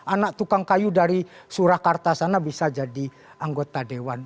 anak tukang kayu dari surakarta sana bisa jadi anggota dewan